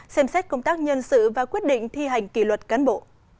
xem xét công tác nhân sự và quyết định thi hành kỷ luật cán bộ